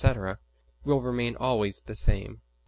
will remain always the same.